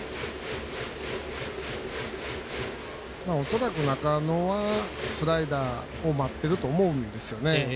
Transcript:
恐らく中野はスライダーを待ってると思うんですよね。